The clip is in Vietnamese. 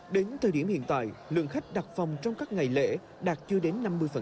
đến thời điểm hiện tại lượng khách đặt phòng trong các ngày lễ đạt chưa đến năm mươi